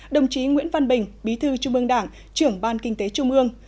đồng chí nguyễn văn bình bí thư trung mương đảng trưởng ban kinh tế trung mương